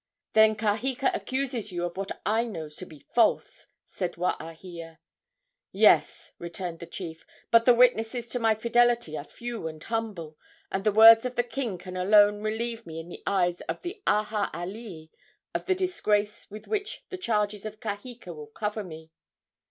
"Then Kaheka accuses you of what I know to be false!" said Waahia. "Yes," returned the chief; "but the witnesses to my fidelity are few and humble, and the words of the king can alone relieve me in the eyes of the aha alii of the disgrace with which the charges of Kaheka will cover me."